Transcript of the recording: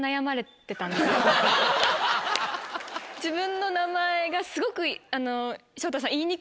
自分の名前がすごく昇太さん。